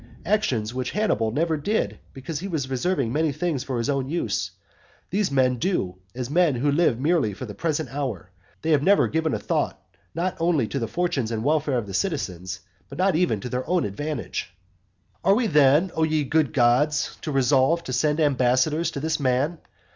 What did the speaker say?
Actions which Hannibal never did, because he was reserving many things for his own use, these men do, as men who live merely for the present hour; they never have given a thought not only to the fortunes and welfare of the citizens, but not even to their own advantage. Are we then, O ye good gods, to resolve to send ambassadors to this man?